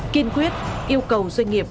kiên quyết yêu cầu doanh nghiệp